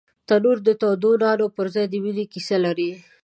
تنور د تودو نانو پر ځای د مینې کیسې لري